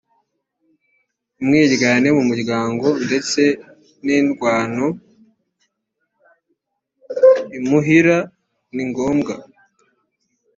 umwiryane mu muryango ndetse n indwano imuhira ni ngombwa